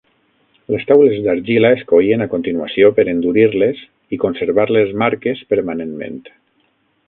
Les taules d'argila es coïen a continuació per endurir-les i conservar les marques permanentment.